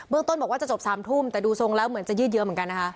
ต้นบอกว่าจะจบ๓ทุ่มแต่ดูทรงแล้วเหมือนจะยืดเยอะเหมือนกันนะคะ